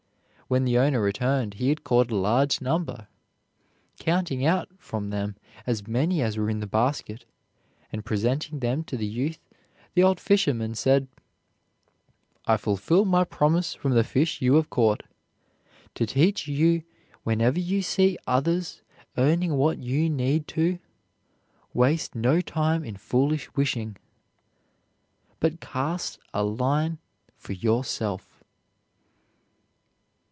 When the owner returned he had caught a large number. Counting out from them as many as were in the basket, and presenting them to the youth, the old fisherman said, "I fulfil my promise from the fish you have caught, to teach you whenever you see others earning what you need to waste no time in foolish wishing, but cast a line for yourself."